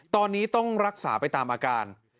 ตอนนี้ต้องรักษาไปตามอาการ